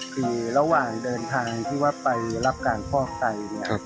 คือระหว่างเดินทางที่ว่าไปรับการพ่อไต